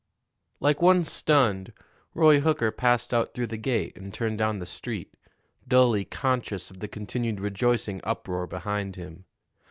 Like one stunned Roy Hooker passed out through the gate and turned down the street, dully conscious of the continued rejoicing uproar behind him.